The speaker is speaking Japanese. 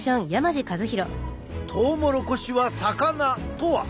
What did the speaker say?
トウモロコシは魚とは？